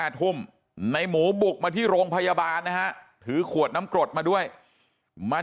ทุ่มในหมูบุกมาที่โรงพยาบาลนะฮะถือขวดน้ำกรดมาด้วยมา